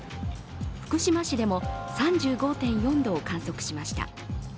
福島市でも３５．４度を観測しました。